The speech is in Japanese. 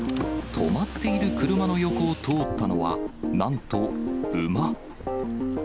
止まっている車の横を通ったのは、なんと馬。